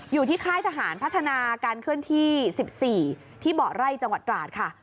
อยู่ที่ค่ายทหารพัฒนาการเคลื่อนที่๑๔ที่เบาะไร่จังหวัดตราดค่ะ